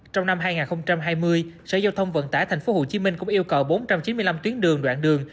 trong năm hai nghìn hai mươi sở giao thông vận tải tp hcm cũng yêu cầu bốn trăm chín mươi năm tuyến đường đoạn đường